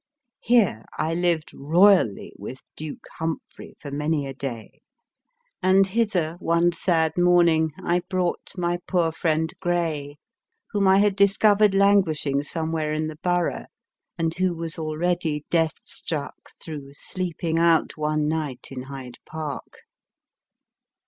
Here I lived royally, with Duke Humphrey, for many a day ; and hither, one sad morning, I brought my poor friend Gray, whom I had discovered languishing somewhere in the Borough, and who was already death struck through sleeping out one night in Hyde Park.